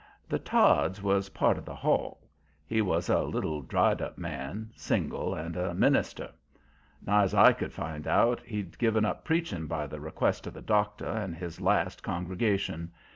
The Todds was part of the haul. He was a little, dried up man, single, and a minister. Nigh's I could find out, he'd given up preaching by the request of the doctor and his last congregation.